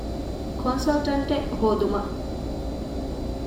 ކޮންސަލްޓަންޓެއް ހޯދުމަށް